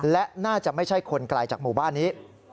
และน่าจะไม่ใช่คนไกลจากหมู่บ้านนี้